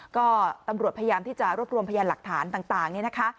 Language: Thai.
ก็ตำรวจพยายามที่จะรวบรวมพยานหลักฐานต่างนี่นะคะ